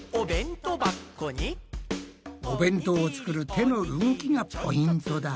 お弁当を作る手の動きがポイントだ。